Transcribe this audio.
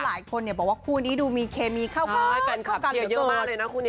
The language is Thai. หลายคนบอกว่าคู่นี้ดูมีเคมีเข้ากันเข้ากันเยอะมากเลยนะคู่นี้